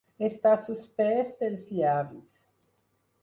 Estar suspès dels llavis.